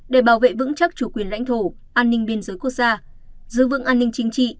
để bảo vệ vững chắc chủ quyền lãnh thổ an ninh biên giới quốc gia giữ vững an ninh chính trị